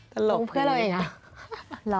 ตรงเพื่อนเราเองนะ